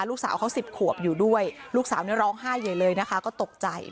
ลูกสาวเขา๑๐ขวบอยู่ด้วยลูกสาวเนี่ยร้องไห้ใหญ่เลยนะคะก็ตกใจ